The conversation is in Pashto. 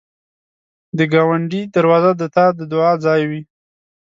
د ګاونډي دروازه د تا د دعا ځای وي